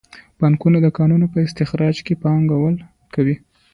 بانکونه د کانونو په استخراج کې پانګونه کوي.